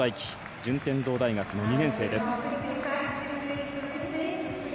順天堂大学の２年生です。